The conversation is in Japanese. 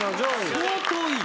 相当いい。